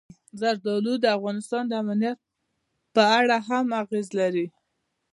زردالو د افغانستان د امنیت په اړه هم اغېز لري.